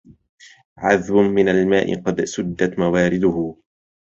عذب من الماء قد سدت موارده